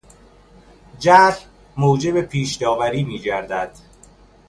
جهل موجب پیش داوری میگردد.